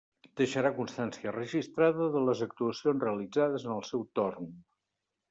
Deixarà constància registrada de les actuacions realitzades en el seu torn.